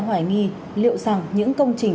hoài nghi liệu rằng những công trình